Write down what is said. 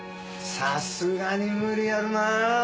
さすがに無理あるなぁ。